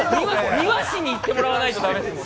庭師にいってもらわないと駄目ですね